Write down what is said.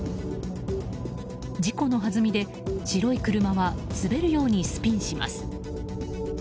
事故のはずみで白い車は滑るようにスピンします。